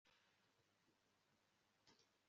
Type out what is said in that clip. umuyobozi w'ishami ry'ubuvuzi bw'abagabo mu bitaro